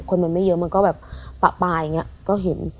คนมันไม่เยอะมันก็แบบปะปลายอย่างนี้ก็เห็น